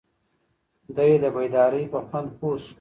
دی د بیدارۍ په خوند پوه شو.